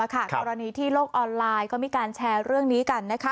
กรณีที่โลกออนไลน์ก็มีการแชร์เรื่องนี้กัน